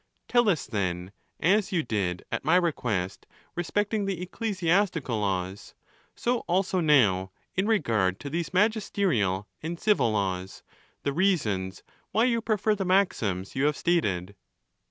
—Tell us, then, as you did at my request. respecting the ecclesiastical. laws, so also now in regard to these magis terial and civil laws, the reasons why you prefer the maxims you have stated.